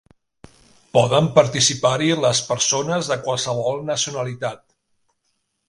Poden participar-hi les persones de qualsevol nacionalitat.